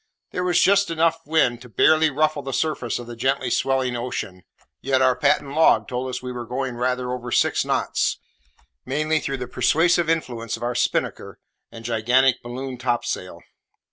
There was just enough wind to barely ruffle the surface of the gently swelling ocean, yet our patent log told us we were going rather over six knots, mainly through the persuasive influence of our spinnaker and gigantic balloon topsail.